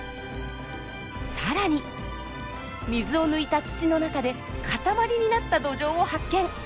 さらに水を抜いた土の中で塊になったドジョウを発見！